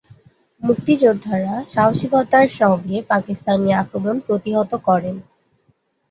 মুক্তিযোদ্ধারা সাহসিকতার সঙ্গে পাকিস্তানি আক্রমণ প্রতিহত করেন।